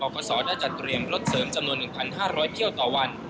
คศได้จัดเตรียมรถเสริมจำนวน๑๕๐๐เที่ยวต่อวัน